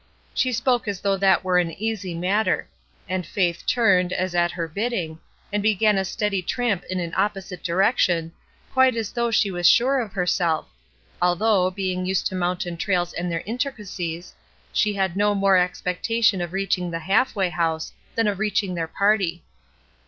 She spoke as though that were an easy matter; and Faith turned, as at her bidding, and began a steady tramp in an opposite direction, quite as though she was sure of herself; although, being used to moun tain trails and their intricacies, she had no more expectation of reaching the Half way House than of reaching their party.